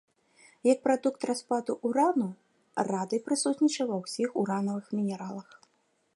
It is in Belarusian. Як прадукт распаду урану, радый прысутнічае ва ўсіх уранавых мінералах.